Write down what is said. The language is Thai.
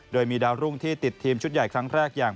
และรุ่งที่ติดทีมชุดใหญ่ครั้งแรกอย่าง